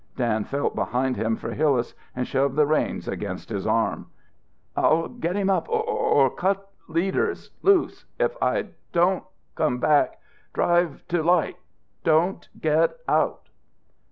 Dan felt behind him for Hillas and shoved the reins against his arm. "I'll get him up or cut leaders loose! If I don't come back drive to light. _Don't get out!